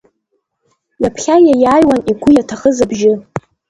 Ҩаԥхьа иаиааиуан игәы иаҭахыз абжьы.